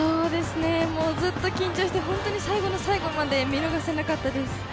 ずっと緊張して、最後の最後まで見逃せなかったです。